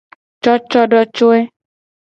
Cocodocoe.